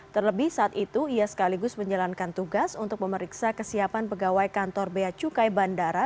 terlebih saat itu ia sekaligus menjalankan tugas untuk memeriksa kesiapan pegawai kantor beacukai bandara